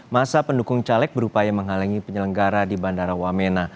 masa pendukung caleg berupaya menghalangi penyelenggara di bandara wamena